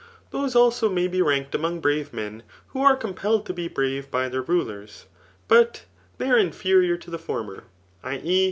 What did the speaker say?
Those also may be ranked among brave men, ^o are compelled to be brave by theur rulers ; but they are in fisrior to the former [i. e.